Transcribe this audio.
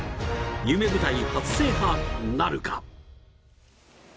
夢舞台、初制覇、なるか。